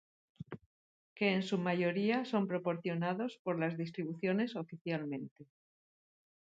Que en su mayoría son proporcionados por las distribuciones oficialmente.